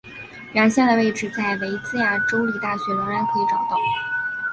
原先的位置在维兹亚州立大学仍然可以找到。